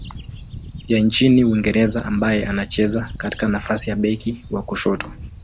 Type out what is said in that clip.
ya nchini Uingereza ambaye anacheza katika nafasi ya beki wa kushoto.